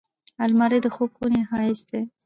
الماري د خوب خونې ښايست دی